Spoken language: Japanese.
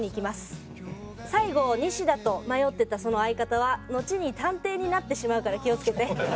最後ニシダと迷ってたその相方はのちに探偵になってしまうから気を付けて。